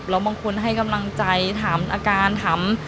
แล้วบางคนให้กำลังใจถามอาการถาม